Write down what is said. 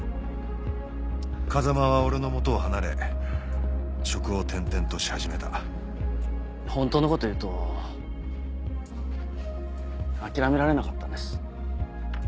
風真は俺の元を離れ職を転々とし始めた本当のこと言うと諦められなかったんです。